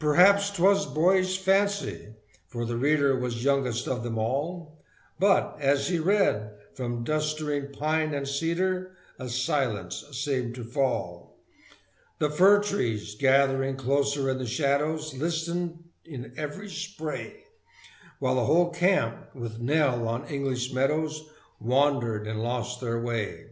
Perhaps 'twas boyish fancy, for the reader Was youngest of them all, But, as he read, from clustering pine and cedar A silence seemed to fall; The fir trees, gathering closer in the shadows, Listened in every spray, While the whole camp, with "Nell" on English meadows, Wandered and lost their way.